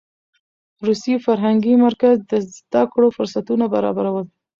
روسي فرهنګي مرکز د زده کړو فرصتونه برابرول.